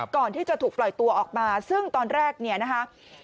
ก่อนที่จะถูกปล่อยตัวออกมาซึ่งตอนแรกเนี่ยนะคะ